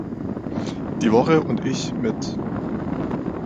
Die Woche und ich" mit.